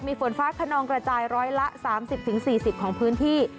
มีฝนฟ้าขนองกระจายร้อยละ๓๐๔๐ของพื้นที่